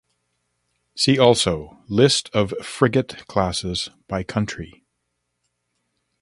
See also List of frigate classes by country.